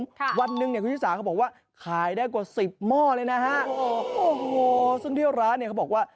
ค่ะวันหนึ่งเนี่ยคุณชิสาเขาบอกว่าขายได้กว่าสิบหม้อเลยนะฮะโอ้โหซึ่งเที่ยวร้านเนี้ยเขาบอกว่า